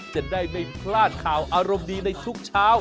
จะได้ไม่พลาดข่าวอารมณ์ดีในทุกเช้า